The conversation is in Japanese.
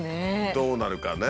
どうなるかね。